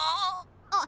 あっ！